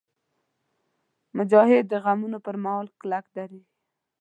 مجاهد د غمونو پر مهال کلک درېږي.